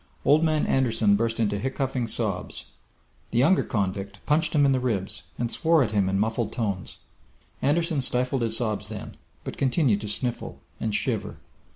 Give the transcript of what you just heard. Old Man Anderson burst into hiccoughing sobs. The younger convict punched him in the ribs, and swore at him in muffled tones. Anderson stifled his sobs then, but continued to sniffle and shiver.